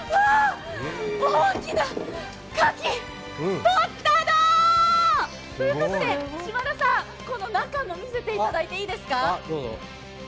大きなかき、とったどー！ということで島田さん、この中も見せていただいていいですか？